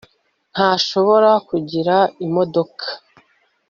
ntashobora kugura imodoka